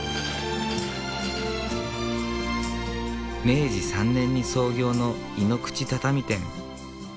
明治３年に創業の井ノ口畳店。